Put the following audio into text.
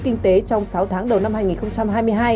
kinh tế trong sáu tháng đầu năm hai nghìn hai mươi hai